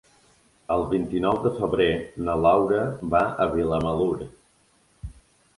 El vint-i-nou de febrer na Laura va a Vilamalur.